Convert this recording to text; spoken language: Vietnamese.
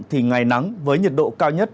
thì ngày nắng với nhiệt độ cao nhất